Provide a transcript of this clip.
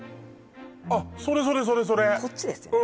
あっそれそれそれこっちですよね